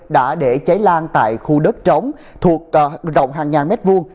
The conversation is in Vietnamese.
đã để cháy lan tại khu đất trống thuộc rộng hàng ngàn mét vuông